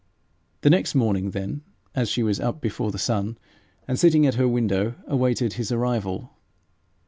The next morning, then, she was up before the sun, and, sitting at her window, awaited his arrival.